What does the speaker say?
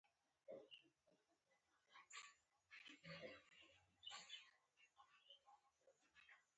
د بوسو او پړو بیه تر افغانۍ لوړه وه.